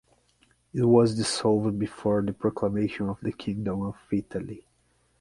It was dissolved before the proclamation of the Kingdom of Italy.